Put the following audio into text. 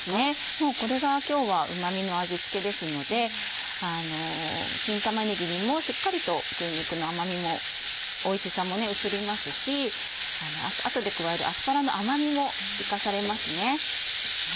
もうこれが今日はうまみの味付けですので新玉ねぎにもしっかりと牛肉の甘みもおいしさも移りますし後で加えるアスパラの甘みも生かされますね。